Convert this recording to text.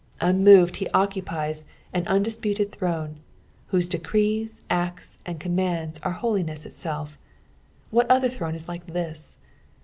Unmoved he occupies an undis puted throne, whose decrees, acts, and commands are holiness itself. What other throne is like this